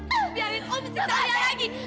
membiarkan om si payah lagi